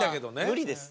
無理です。